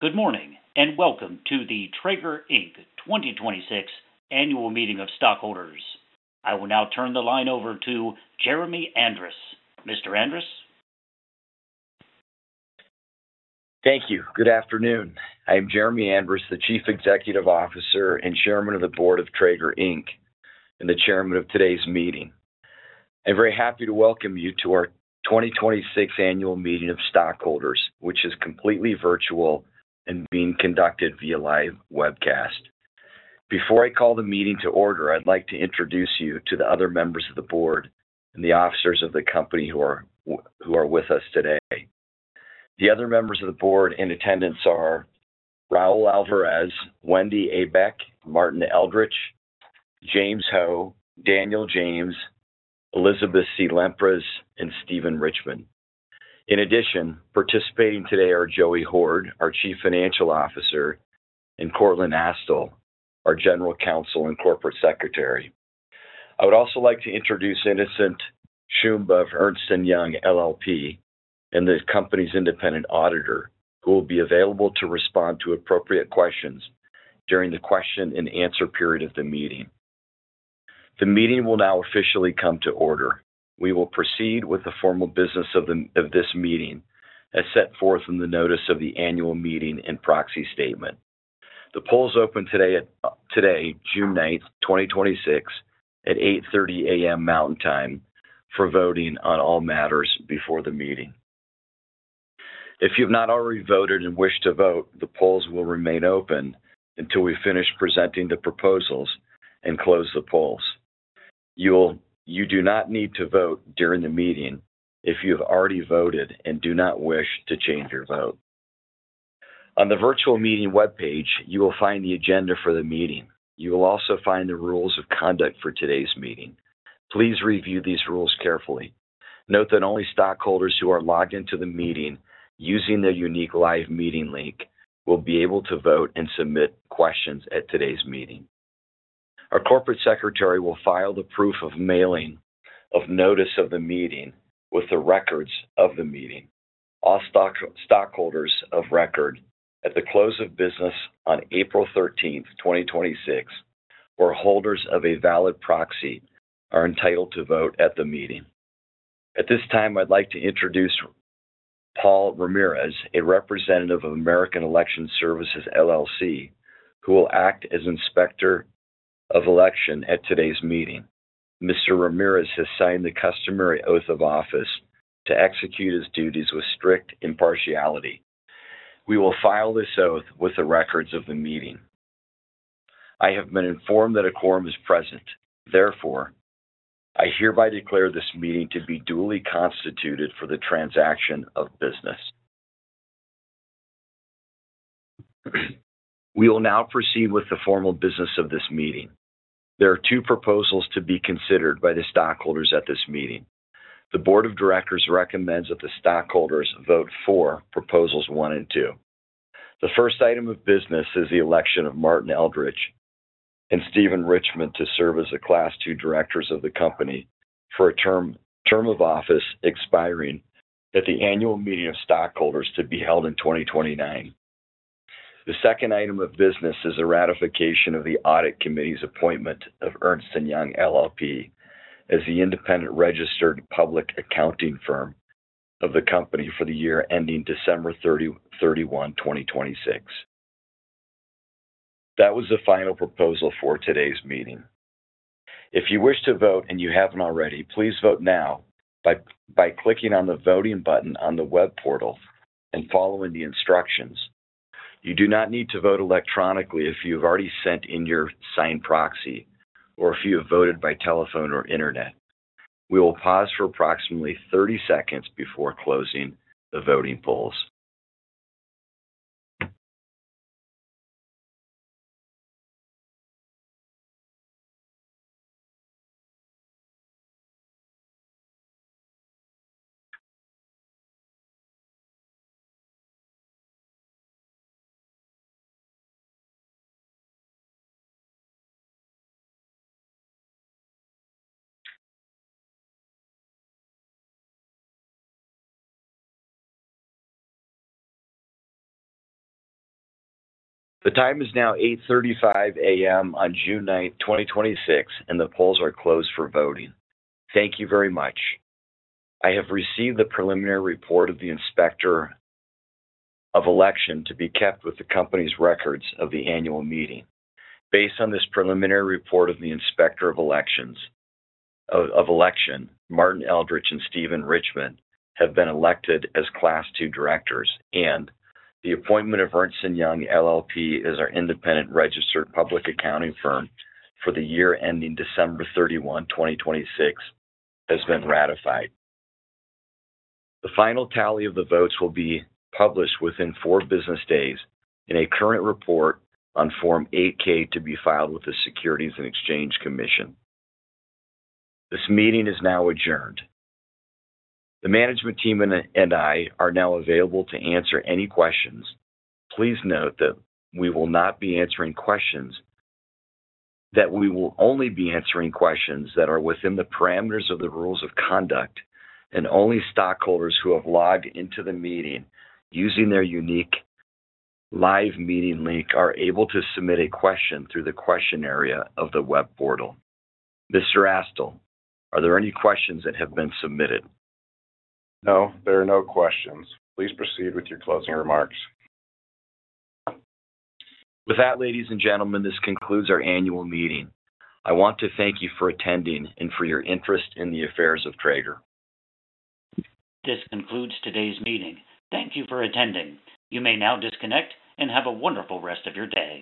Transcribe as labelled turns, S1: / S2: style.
S1: Good morning, welcome to the Traeger Inc 2026 Annual Meeting of Stockholders. I will now turn the line over to Jeremy Andrus. Mr. Andrus?
S2: Thank you. Good afternoon. I am Jeremy Andrus, the Chief Executive Officer and Chairman of the Board of Traeger Inc, the Chairman of today's meeting. I'm very happy to welcome you to our 2026 annual meeting of stockholders, which is completely virtual and being conducted via live webcast. Before I call the meeting to order, I'd like to introduce you to the other members of the board and the officers of the company who are with us today. The other members of the board in attendance are Raul Alvarez, Wendy A. Beck, Martin Eltrich, James Ho, Daniel James, Elizabeth C. Lempres, and Steven Richman. In addition, participating today are Joey Hord, our Chief Financial Officer, and Courtland Astill our General Counsel and Corporate Secretary. I would also like to introduce Innocent Shumba of Ernst & Young LLP and the company's independent auditor, who will be available to respond to appropriate questions during the question-and-answer period of the meeting. The meeting will now officially come to order. We will proceed with the formal business of this meeting as set forth in the notice of the annual meeting and proxy statement. The polls opened today, June 9th, 2026 at 8:30 A.M. Mountain Time for voting on all matters before the meeting. If you've not already voted and wish to vote, the polls will remain open until we finish presenting the proposals and close the polls. You do not need to vote during the meeting if you have already voted and do not wish to change your vote. On the virtual meeting webpage, you will find the agenda for the meeting. You will also find the rules of conduct for today's meeting. Please review these rules carefully. Note that only stockholders who are logged into the meeting using their unique live meeting link will be able to vote and submit questions at today's meeting. Our Corporate Secretary will file the proof of mailing of notice of the meeting with the records of the meeting. All stockholders of record at the close of business on April 13th, 2026, who are holders of a valid proxy, are entitled to vote at the meeting. At this time, I'd like to introduce Paul Ramirez, a representative of American Election Services, LLC, who will act as Inspector of Election at today's meeting. Mr. Ramirez has signed the customary oath of office to execute his duties with strict impartiality. We will file this oath with the records of the meeting. I have been informed that a quorum is present. Therefore, I hereby declare this meeting to be duly constituted for the transaction of business. We will now proceed with the formal business of this meeting. There are two proposals to be considered by the stockholders at this meeting. The board of directors recommends that the stockholders vote for proposals one and two. The 1st item of business is the election of Martin Eltrich and Steven Richman to serve as the Class II directors of the company for a term of office expiring at the annual meeting of stockholders to be held in 2029. The second item of business is the ratification of the audit committee's appointment of Ernst & Young LLP as the independent registered public accounting firm of the company for the year ending December 31, 2026. That was the final proposal for today's meeting. If you wish to vote and you haven't already, please vote now by clicking on the voting button on the web portal and following the instructions. You do not need to vote electronically if you've already sent in your signed proxy or if you have voted by telephone or internet. We will pause for approximately 30 seconds before closing the voting polls. The time is now 8:35 A.M. on June 9th, 2026, and the polls are closed for voting. Thank you very much. I have received the preliminary report of the Inspector of Election to be kept with the company's records of the annual meeting. Based on this preliminary report of the Inspector of Election, Martin Eltrich and Steven Richman have been elected as Class II directors and the appointment of Ernst & Young LLP as our independent registered public accounting firm for the year ending December 31, 2026, has been ratified. The final tally of the votes will be published within four business days in a current report on Form 8-K to be filed with the Securities and Exchange Commission. This meeting is now adjourned. The management team and I are now available to answer any questions. Please note that we will only be answering questions that are within the parameters of the rules of conduct, and only stockholders who have logged into the meeting using their unique live meeting link are able to submit a question through the question area of the web portal. Mr. Astill, are there any questions that have been submitted?
S3: No, there are no questions. Please proceed with your closing remarks.
S2: With that, ladies and gentlemen, this concludes our annual meeting. I want to thank you for attending and for your interest in the affairs of Traeger.
S1: This concludes today's meeting. Thank you for attending. You may now disconnect and have a wonderful rest of your day.